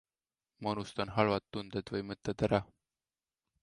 Ma unustan halvad tunded või mõtted ära.